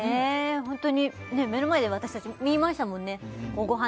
ホントに目の前で私たち見ましたもんねご飯